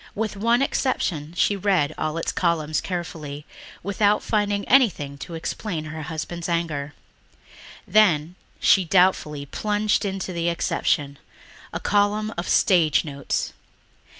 With one exception she read all its columns carefully without finding anything to explain her husband's anger. Then she doubtfully plunged into the exception ... a column of "Stage Notes."